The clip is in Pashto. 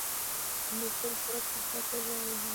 د همدې سترګو په رپ کې تا ته وایم اورې.